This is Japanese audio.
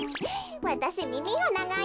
わたしみみがながいの。